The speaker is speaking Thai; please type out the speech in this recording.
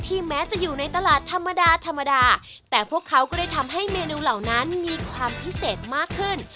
แม้จะอยู่ในตลาดธรรมดาธรรมดาแต่พวกเขาก็ได้ทำให้เมนูเหล่านั้นมีความพิเศษมากขึ้น